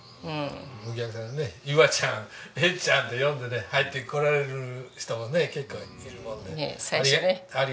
お客さんがね「いわちゃん」「えっちゃん」って呼んでね入ってこられる人もね結構いるもんでありがたいね。